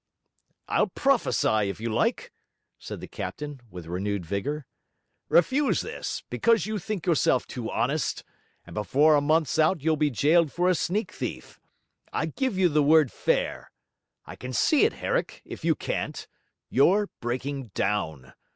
'I'll prophesy if you like,' said the captain with renewed vigour. 'Refuse this, because you think yourself too honest, and before a month's out you'll be jailed for a sneak thief. I give you the word fair. I can see it, Herrick, if you can't; you're breaking down.